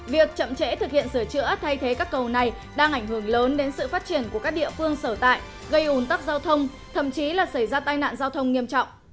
việc chậm trễ thực hiện sửa chữa thay thế các cầu này đang ảnh hưởng lớn đến sự phát triển của các địa phương sở tại gây ủn tắc giao thông thậm chí là xảy ra tai nạn giao thông nghiêm trọng